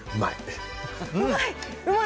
うまい？